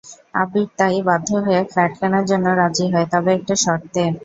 আবির তাই বাধ্য হয়ে ফ্ল্যাট কেনার জন্য রাজি হয়, তবে একটা শর্তে।